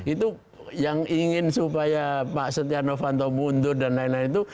itu yang ingin supaya pak setia novanto mundur dan lain lain itu